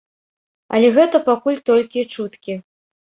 Але гэта пакуль толькі чуткі.